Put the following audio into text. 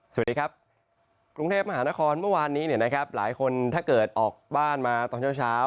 สวัสดีครับกรุงเทพฯมหาละครเมื่อวานนี้หลายคนถ้าเกิดออกบ้านมาตอนเช้า